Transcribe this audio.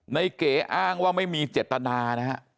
เก๋อ้างว่าไม่มีเจตนานะฮะ